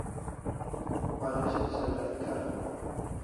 Waresho se rahi kariu